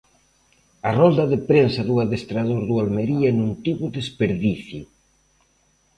A rolda de prensa do adestrador do Almería non tivo desperdicio.